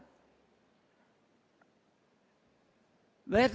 mereka sepakat bahwa kita itu